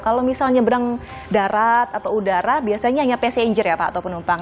kalau misalnya nyebrang darat atau udara biasanya hanya passenger ya pak atau penumpang